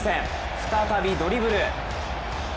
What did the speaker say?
再びドリブル。